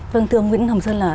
vâng thưa ông nguyễn hồng sơn là